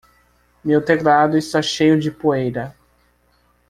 Meu teclado está cheio de poeira.